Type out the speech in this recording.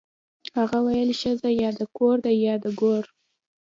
هغه ویل ښځه یا د کور ده یا د ګور